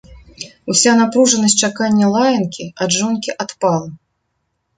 Уся напружанасць чакання лаянкі ад жонкі адпала.